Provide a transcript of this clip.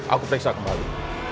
aku periksa kembali